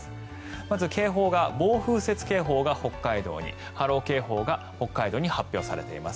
まず警報が暴風雪警報が北海道に波浪警報が北海道に発表されています。